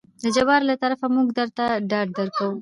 د جبار له طرفه موږ درته ډاډ درکو.